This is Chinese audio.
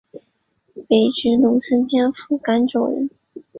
北直隶顺天府蓟州人。